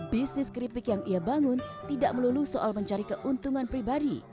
bisnis keripik yang ia bangun tidak melulu soal mencari keuntungan pribadi